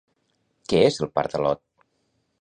Què és el Pardalot?